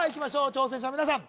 挑戦者の皆さん